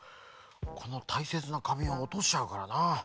このたいせつなかびんをおとしちゃうからな。